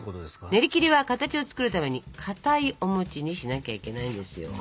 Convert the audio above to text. ねりきりは形を作るためにかたいお餅にしなきゃいけないんですよ。